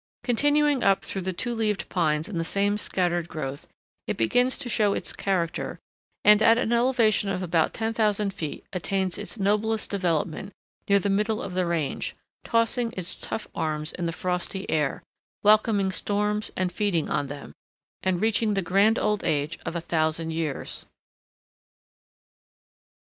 Continuing up through the Two leaved Pines in the same scattered growth, it begins to show its character, and at an elevation of about 10,000 feet attains its noblest development near the middle of the range, tossing its tough arms in the frosty air, welcoming storms and feeding on them, and reaching the grand old age of 1000 years.